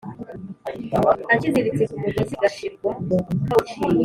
Akiziritse ku mugozi gashirwa kawuciye.